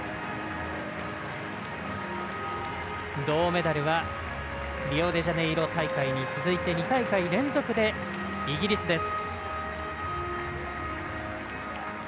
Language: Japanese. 銅メダルはリオデジャネイロ大会に続いて２大会連続でイギリスです。